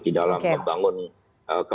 di dalam pembangunan